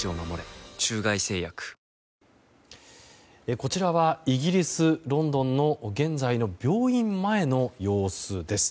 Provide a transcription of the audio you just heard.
こちらはイギリス・ロンドンの現在の病院前の様子です。